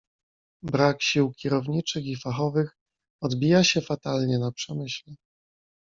"Brak sił kierowniczych i fachowych odbija się fatalnie na przemyśle."